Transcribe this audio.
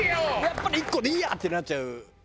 やっぱり１個でいいや！ってなっちゃう。